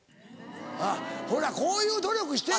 あっほらこういう努力してんねん。